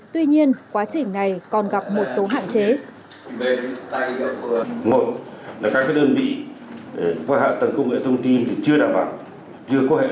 tuy nhiên quá trình này còn gặp một số hạn chế